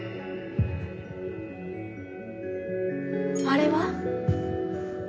あれは？